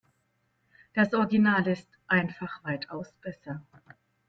Das Original ist einfach weitaus besser.